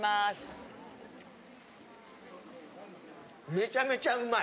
・めちゃめちゃうまい！